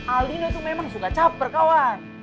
alino tuh memang suka caper kawan